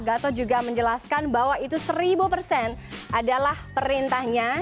gatot juga menjelaskan bahwa itu seribu persen adalah perintahnya